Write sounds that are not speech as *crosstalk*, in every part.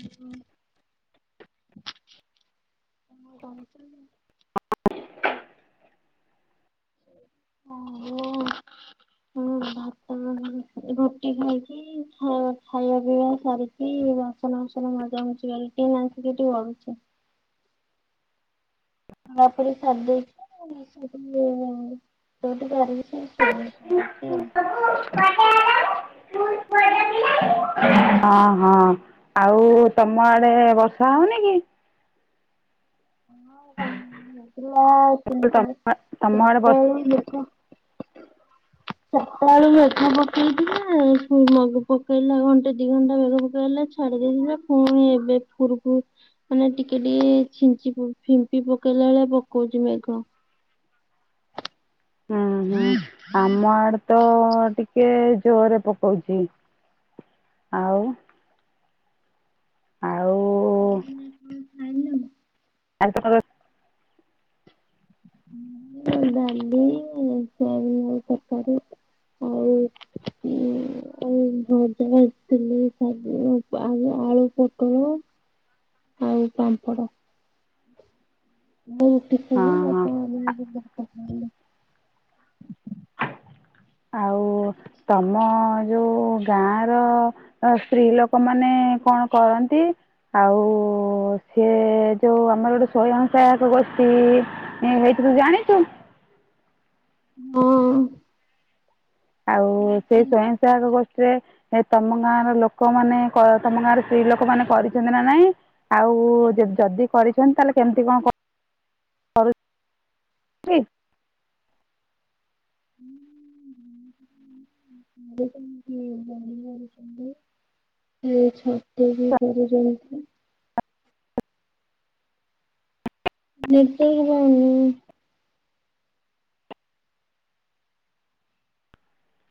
ହ କଣ? *unintelligible* ଓୋ ହଁ *unintelligible* ରୁଟି ଖାଇକି ଖାଇବା ପିଇବା ସାରିଛିି ବାସନ ଫସନ ମଜା ହଛି ଗଲି ଟ ନାସିକି ଟିକେ ବଡୁଛି। *unintelligible* ପଡୁଛି *unintelligible* ହଁ ହଁ ଆଉ ତମ ଆଡେ ବର୍ଷା ହଉନି କି? ହଁ ତମ ତମ ଆଡ଼େ ବର୍ଷା *unintelligible* ସଖାଳୁ ମେଘ ପକଉଛିଯେ ମଘ ପକେଇଲା ଘଣ୍ଟେ ଦି ଘଣ୍ଟା ମେଘ ପକେଇଲା। ଛାଡି ଦେଇଥିଲା ପୁଣି ଏବେ ପୁରୁକୁ ମାନେ ଟିକେ ଟିକେ ଛି ଫିମ୍ପି ପକେଇଲା ଭଳିଆ ପକଉଛି ମେଘ। ହୁଁ ହୁଁ ଦୁି ଆମ ଆଡେ ତ ଟିକେ ଜୋରରେ ପକଉଛି। ଆଉ ଆଉ। ଆଜି ତ ତମେ। ଡାଲି *unintelligible* ତରକାରି ଆଉ। ହୁ। ଭଜା ଭାଜିଥିଲି ଶାଗ ଆ ଆଳୁ ପୁଟଳ। ଆଉ ପାମ୍ପଡ ମୁଁ ରୋଟି ହଁ ଖାଇବି ଆଉ। ହଁ *inaudible* ଆଉ ତମ ଯୋଉଁ ଗାଁର। ଅ ସ୍ତ୍ରୀ ଲୋକମାନେ କଣ କରନ୍ତି? ଆଉ ସେ ଯୋଉ ଆମର ଗୋଟେ ସୟଂ ସହାୟକ ଗୋଷ୍ଠୀ। ଏ ହେଇଥିରୁ ଜଣିଛୁ। ହଁ। ଆଉ ସେଇ ହଁ। ସ୍ଵୟଂସହାୟକ ଗୋଷ୍ଠୀରେ। ଏ ତମ ଗାଁ ର ଲୋକମାନେ ତମ ଗାଁର ସ୍ତ୍ରୀ ଲୋକ ମାନେ କରିଛନ୍ତି ନା ନାଇଁ। ଆଉ ଯଦି କରିଛନ୍ତି ତାହେଲେ କେମିତି କଣ କ *inaudible* ଆ *unintelligible* ଏ ଛତୁ ବି କରଛନ୍ତି। ନେଟୱାର୍କ ପାଉନି।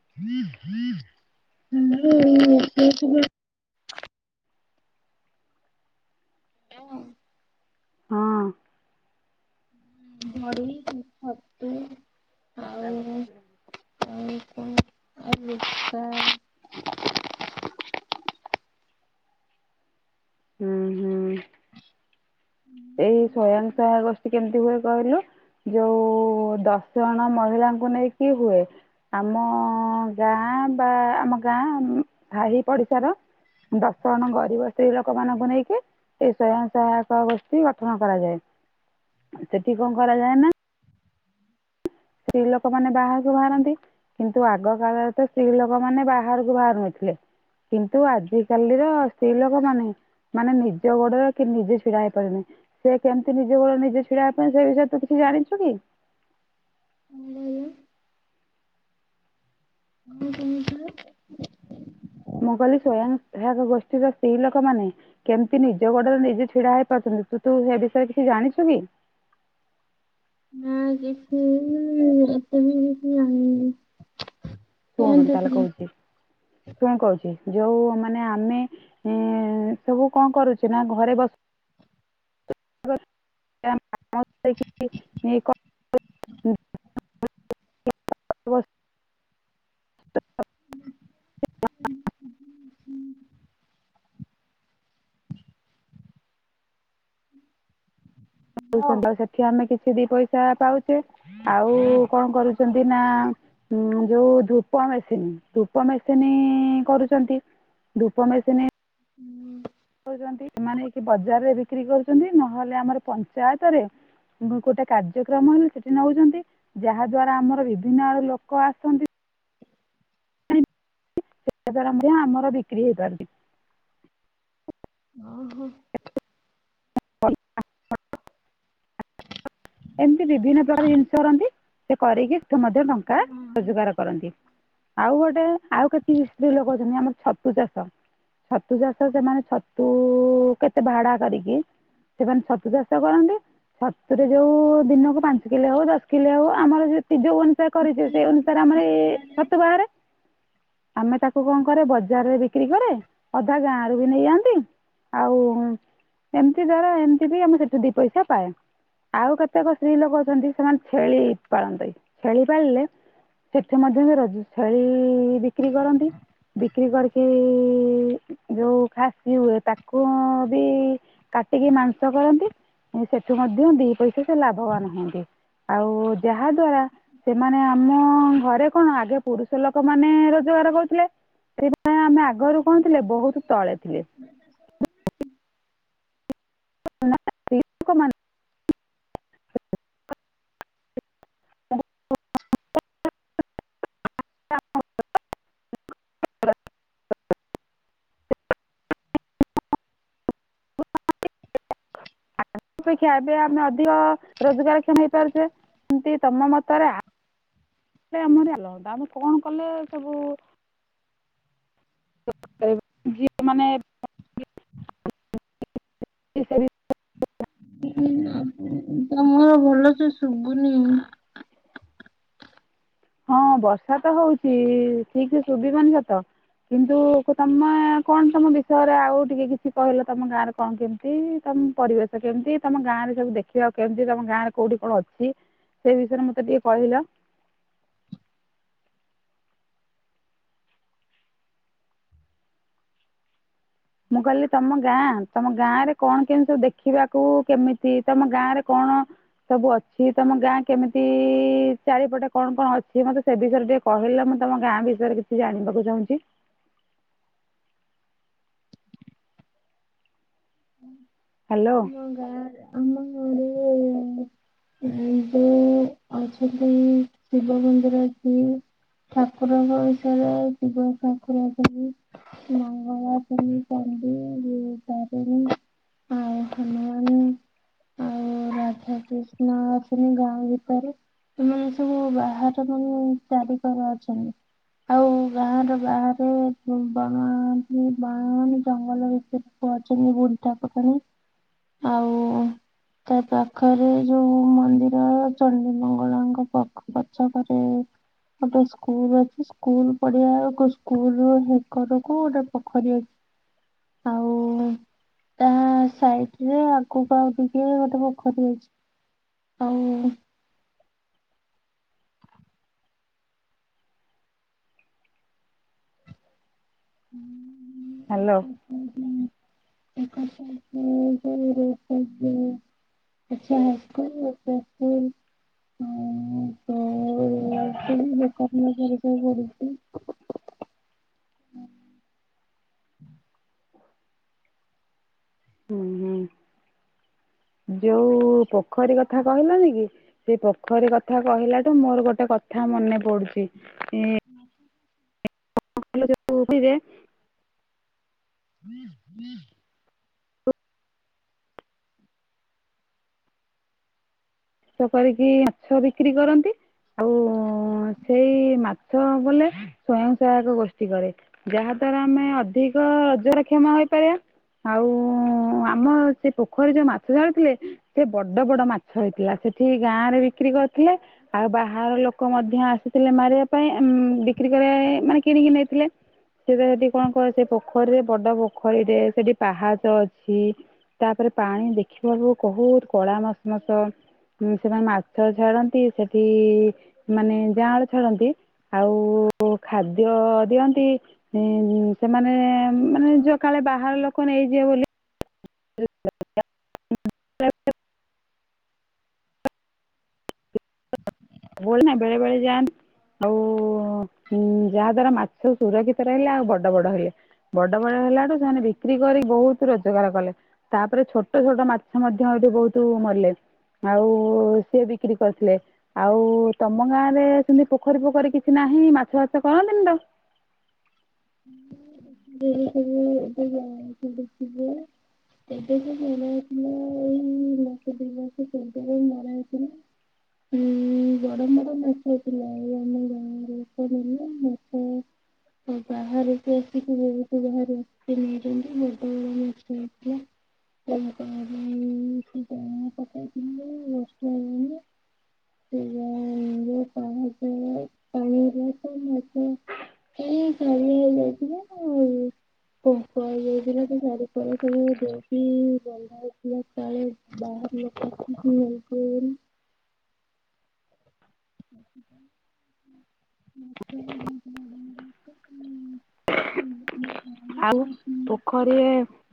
*inaudible* ହଁ। ହଁ। ବଡ଼ି, ଛତୁ। ଆଉ ବସ୍ା ହ ଆଉ କଣ ଆଉ ଲୁଗା କଣ ହୁଁ ହୁଁ। ହୁଁ। ଏଇ ସୟଂସହା ଗୋଷ୍ଠୀ କେମିତି ହୁଏ କହିଲୁ। ଯୋଉ ଦଶ ଜଣ ମହିଳାଙ୍କୁ ନେଇକି ହୁଏ। ଆମ ଗାଁ ବା ଆମ ଗାଁ ସାହି ପଡ଼ିଶାର। ଦଶ ଜଣ ଗରିବ ସ୍ତ୍ରୀ ଲୋକ ମାନଙ୍କୁ ନେଇକି ଏ ସ୍ଵୟଂ ସହାୟକ ଗୋ ଠି ଗଠନ କରାଯାଏ ସେଠି କଣ କରାଯାଏ ନା। ସ୍ତ୍ରୀ ଲୋକମାନେ ବାହାରକୁ ବାହାରନ୍ତି। କିନ୍ତୁ ଆଗ କାଳରେ ତ ସ୍ତ୍ରୀ ଲୋକମାନେ ବାହାରକୁ ବାହାରୁ ନଥିଲେ। କିନ୍ତୁ ଆଜିକାଲିର ସ୍ତ୍ରୀ ଲୋକମାନେ। ମାନେ ନିଜ ଗୋଡରେ କି ନିଜେ ଛିଡା ହେଇପାରୁନି। ସେ କେମିତି ନିଜ ବଳ ନିଜେ ଛିଡିବା ପାଇଁ ସେ ବିଷୟରେ ତୁ କିଛି ଜାଣିଛୁ କି? କହିଲ ମୁଁ ତୁମେ କହ ମୁଁ କହିଲି ସ୍ଵୟଂସହାୟକ ଗୋଷ୍ଠୀର ସ୍ତ୍ରୀ ଲୋକମାନେ। କେମିତି ନିଜ ଗୋଡରେ ନିଜେ ଛିଡା ହେଇ ପାରୁଛନ୍ତି ତୁ ତୁ ହେ ବିଷୟରେ କିଛି ଜାଣିଛୁ କି? ନା କିଛି *unintelligible* ତତେ ବି କିଛି ଜାଣିନି ଶୁଣୁ କୁହନ୍ତୁ ତାହେଲେ ଟିକେ। କହୁଛି ଶୁଣ କହୁଛି ଯୋଉ ମାନେ ଆମେ। ଏ ସବୁ କଣ କରୁଛି ନା ଘରେ ବସ୍ *inaudible* ହଁ। ହ ସେଠି ଆମେ କିଛି ଦି ପଇସା ପାଉଛେ। ଆଉ କଣ କରୁଛନ୍ତି ନା ଉଁ ଯୋଉ ଧୂପ ମେସିନ୍ ଧୂପ ମେସିନ୍ କରୁଛନ୍ତି। ଧୂପମେସୀନ୍ ସେମାନେ ବଜାରରେ ବିକ୍ରି କରୁଛନ୍ତି ନହେଲେ ଆମର ପଞ୍ଚାୟତ ରେ। ଗୋଟେ କାର୍ଯ୍ୟକ୍ରମ ହେଲେ ସେଠି ନଉଛନ୍ତି ଯାହା ଦ୍ଵାରା ଆମର ବିଭିନ୍ନ ଆଡୁ ଲୋକ ଆସନ୍ତି। *unintelligible* ମଧ୍ୟ ଆମର ବିକ୍ରି ହେଇପାରୁଛି। ଅ ହ। ଏମିତି ବିଭିନ୍ନ ପ୍ରକାର ଜିନିଷ କରନ୍ତି ସେ କରିକିଏଠୁ ମଧ୍ୟ ଟଙ୍କା ରୋଜଗାର କରନ୍ତି। ଆଉ ଗୋଟେ ଆଉ କେତେ ସ୍ତ୍ରୀ ଲୋକ ଅଛନ୍ତି ଆମର ଛତୁ ଚାଷ ଛତୁ ଚାଷ ସେମାନେ ଛତୁ କେତେ ଭାଡା କରିକି ସେମାନେ ଛତୁ ଚାଷ କରନ୍ତି। ଛତୁରେ ଯୋଉ ଦିନକୁ ପାଞ୍ଚ କିଲୋ ହଉ ଦଶ କିଲୋ ହଉ ଆମର ଯୋଉ ଅନୁସାରେ କରିଛ ସେଇ ଅନୁସାରେ ଆମର ଏଇ ଛତୁ ବାହାରେ ଆମେ ତାକୁ କଣ କରେ ବଜାରରେ ବିକ୍ରି କରେ ଅଧା ଗାଁ ର ବି ନେଇଯାଆନ୍ତି। ଆଉ ଏମିତି ଦ୍ବାରା ଏମତି ବି ଆମେ ସେଠି ଦି ପଇସା ପାଏ। ଆଉ କେତେକ ସ୍ତ୍ରୀ ଲୋକ ଅଛନ୍ତି ସେମାନେ ଛେଳି ପାଳନ୍ତି ଛେଳି ପାଳିଲେ ସେଠି ମଧ୍ୟ ବି ରଜ ଛେଳି ବିକ୍ରି କରନ୍ତି। ବିକ୍ରି କରିକି ଯୋଉ ଖାସି ହୁଏ ତାକୁ ବି କାଟିକି ମାଂସ କରନ୍ତି ସେଠୁ ମଧ୍ୟ ଦି ପଇସା ସେ ଲାଭବାନ ହୁଅନ୍ତି। ଆଉ ଯାହାଦ୍ଵାରା ସେମାନେ ଆମ ଘରେ କଣ ଆଗେ ପୁରୁଷ ଲୋକମାନେ ରୋଜଗାର କରୁଥିଲେ ସେ ନା ଆମେ ଆଗରୁ କଣ ଥିଲେ ବହୁତ ତଳେ ଥିଲେ। ହ ନା ଅପେକ୍ଷା ଏବେ ଆମେ ଅଧିକ ରୋଜଗାର କ୍ଷମ ହେଇ ପାରୁଛେ ସେମତି ତମ ମତରେ ସେ ଆମରି ଲସ ଆମେ କଣ କଲେ ସବୁ ଯିଏ ମାନେ ତମର ଭଲ ସେ ଶୁଭୁନି। ହଁ ବର୍ଷା ତ ହଉଚି ଠିକ ସେ ଶୁଭିବନି ସତ। କିନ୍ତୁ ତମେ କଣ ତମ ବିଷୟରେ ଆଉ ଟିକେ କିଛି କହିଲ ତମ ଗାଁର। କଣ କେମିତି, ତମ ପରିବେଶ କେମିତି, ତମ ଗାଁ ରେ ସବୁ ଦେଖିବାକୁ କେମତି ତମ ଗାଁ ରେ କୋଉଠି କଣ ଅଛି। ସେଇ ବିଷୟରେ ମତେ ଟିକେ କହିଲ। ମୁଁ କହିଲି ତମ ଗାଁ, ତମ ଗାଁ ରେ କଣ କେମି ସବୁ ଦେଖିବାକୁ କେମିତି ତମ ଗାଁ ରେ କଣ। ସବୁ ଅଛି ତମ ଗାଁ କେମିତି, ଚାରିପଟେ କଣ କଣ ଅଛି ମତେ ସେ ବିଷୟରେ ଟିକେ। କହିଲ ମୁଁ ତମ ଗାଁ ବିଷୟରେ କିଛି ଜାଣିବାକୁ ଚାହୁଁଛି। ହାଲୋ। *unintelligible* *unintelligible* ଅଛନ୍ତି, ଶିବ ମନ୍ଦିର ଅଛି। ଠାକୁରଙ୍କ ବିଷୟରେ ଶିବ ଠାକୁର ଅଛନ୍ତି। *unintelligible* ଆଉ *unintelligible* ଆଉ ରାଧା ନାଁ *unintelligible* ଗାଁ ଭିତରେ। ଏମାନେ ସବୁ ବାହାର ମାନେ ଚାରି କର ଅଛନ୍ତି। ଆଉ ଗାଁ ର ବାହାରେ *unintelligible* ଜଙ୍ଗଲ ଭିତରେ। *unintelligible* ଆଉ ତା ପାଖରେ। ଯୋଉ ମନ୍ଦିର ଚଣ୍ଡୀ ମଙ୍ଗଳାଙ୍କ ପଖ ପଛକରେ। ଗୋଟେ ସ୍କୁଲ ଅଛି ସ୍କୁଲ ପଢ଼ିଆ କୁ ସ୍କୁଲ କରକୁ ଗୋଟେ ପୋଖରୀ ଅଛି। ଆଉ *inaudible* ତା ସାଇଟରେ ଆଗକୁ ଆଉ ଟିକେ ଗୋଟେ ପୋଖରୀ ଅଛି। ଆଉ *inaudible* ହ୍ୟାଲୋ। *unintelligible* ଆଛା *unintelligible* *unintelligible* ହୁଁ ହୁଁ ଯୋଉ ପୋଖରୀ କଥା କହିଲନି କି। ଏଇ ପୋଖରୀ କଥା କହିଲାଠୁ ମୋର ଗୋଟେ କଥା ମନେ ପଡୁଛି ଏଁ। *inaudible* *unintelligible* *inaudible* *unintelligible* କରିକି ମାଛ ବିକ୍ରି କରନ୍ତି। ଆଉ ସେଇ ମାଛ ବୋଲେ। ସ୍ଵୟଂ ସହାୟକ ଗୋଷ୍ଠୀ କରେ ଯାହା ଦ୍ଵାରା ଆମେ ଅଧିକ ରଜର କ୍ଷମ ହେଇପାରିବା। ଆଉ ସେଠି ଗାଁ ରେ ବିକ୍ରି କରିଥିଲେ। ଆଉ ବାହାର ଲୋକ ମଧ୍ୟ ଆସିଥିଲେ ମାରିବା ପାଇଁ ଆମ୍ ବିକ୍ରି କରିବା ପାଇଁ ମାନେ କିଣିକି ନେଇଥିଲେ। ସେଟ ସେଠି କଣ କହ ସେ ପୋଖରୀରେ ବଡ ପୋଖରୀରେ ସେଠି ପାହାଚ ଅଛି। ତା ପରେ ପାଣି ଦେଖିବାକୁ କହୁତ କଡ଼ା ମସଲା ତ। ଉଁ ସେମାନେ ମାଛ ଛାଡନ୍ତି, ସେଠି ମାନେ ଯଆଁଳ ଛାଡନ୍ତି। ଆଉ ଖାଦ୍ୟ ଦିଅନ୍ତି। ଏଁ ସେମାନେ ମାନେ ଯ କାଳେ ବାହାର ଲୋକ ନେଇଯିବେ ବୋଲି। *unintelligible* ବୋଲ ନା ବେଳେବେଳେ ଯାନ୍। ଆଉ ଯାହା ଦ୍ଵାରା ମାଛ ସୁରକ୍ଷିତ ରହିଲା ଆଉ ବଡ ବଡ ହେଲେ। ବଡ ବଡ ହେଲାଠୁ ସେମାନେ ବିକ୍ରି କରିି ବହୁତ ରୋଜଗାର କଲେ। ତାପରେ ଛୋଟ ଛୋଟ ମାଛ ମଧ୍ୟ ଏଇଠି ବହୁତ ମଲେ। ଆଉ ସିଏ ବିକ୍ରି କରିଥିଲେ। ଆଉ ତମ ଗାଁ ରେ ସେମିତି ପୋଖରୀ ପୋଖରୀ କିଛି ନାହିଁ ମାଛ ବାଛ କରନ୍ତିନି ତ। *unintelligible* *inaudible* *unintelligible* ଆଉ ବାହାରକୁ ଆସିକି *unintelligible* ଥିଲା। *unintelligible* *unintelligible* *inaudible* କାଲି ହେଇଯାଇଥିବ ଆଜି। *unintelligible* *unintelligible* *unintelligible* *inaudible* ଆଉ ପୋଖରୀଏ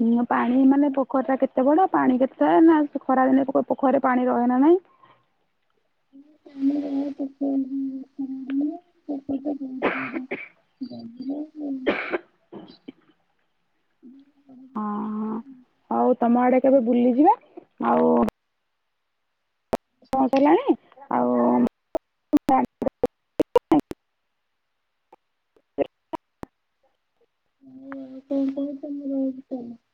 ହୁଁ ପାଣି ମାନେ ପୋଖରୀ ଟା କେତେ ବଡ ପାଣି କେତେ ନାଁ ଖରାଦିନେ ପୋ ପୋଖରିରେ ପାଣି ରହେ ନା ନାଇଁ। *inaudible* *unintelligible* *inaudible* ଆଉ ତମ ଆଡେ କେବେ ବୁଲିଯିବା ଆଉ *unintelligible* ଉଁ *unintelligible*